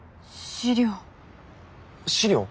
資料？